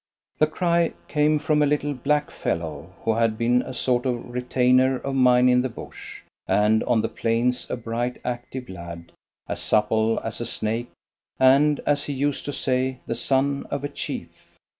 The cry came from a little "black fellow," who had been a sort of retainer of mine in the bush, and on the plains a bright active lad, as supple as a snake, and, as he used to say, the son of a chief.